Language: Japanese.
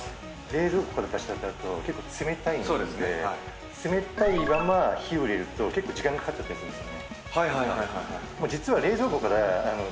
冷蔵庫から出したてだと冷たいので冷たいまま火を入れると結構時間がかかっちゃったりするんです。